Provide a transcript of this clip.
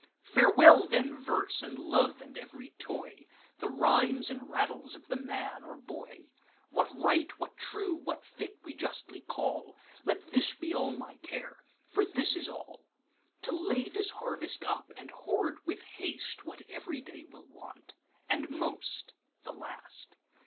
'Farewell then Verse, and Love, and ev'ry toy, The rhymes and rattles of the Man or Boy; What right, what true, what fit, we justly call, Let this be all my care—for this is all; To lay this harvest up, and hoard with hasteWhat ev'ry day will want, and most the last.